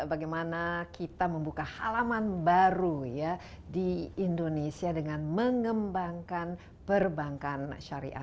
bagaimana kita membuka halaman baru ya di indonesia dengan mengembangkan perbankan syariah